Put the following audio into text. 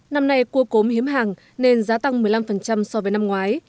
năm nay cua cốm hiếm hàng nên giá tăng một mươi năm so với năm ngoái